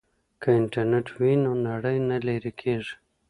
که انټرنیټ وي نو نړۍ نه لیرې کیږي.